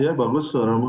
iya bagus suara